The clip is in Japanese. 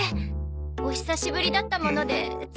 お久しぶりだったものでつい。